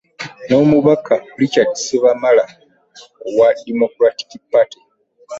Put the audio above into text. N'Omubaka Richard Ssebamala owa Democratic Party.